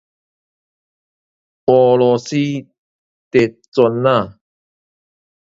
俄羅斯疊磚仔